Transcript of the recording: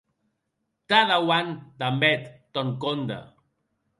Tà dauant damb eth tòn conde.